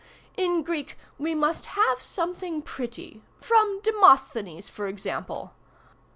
"In Greek we must have some thing pretty—from Demosthenes, for example.